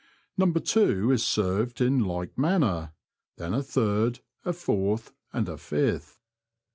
Number two is served in like manner, then a third, a fourth, and a fifth.